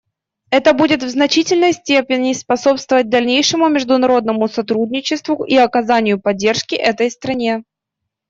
Это будет в значительной степени способствовать дальнейшему международному сотрудничеству и оказанию поддержки этой стране.